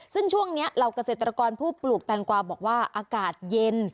ซึ่งช่วงนี้เหล่าเกษตรกรผู้ปลูกแตงกวาบอกว่าอากาศเย็น